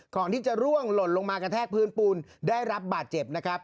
ก่อนที่จะร่วงหล่นลงมากระแทกพื้นปูนได้รับบาดเจ็บนะครับ